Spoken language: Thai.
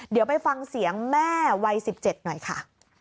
เดี๋ยวไปฟังเสียงแม่วัย๑๗หน่อยค่ะ